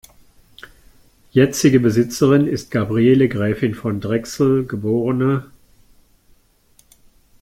Jetzige Besitzerin ist Gabriele Gräfin von Drechsel geb.